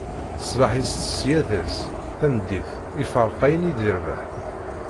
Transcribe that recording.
Ṣṣbeḥ, itett ṣṣyada-s, tameddit, iferreq ayen i d-irbeḥ.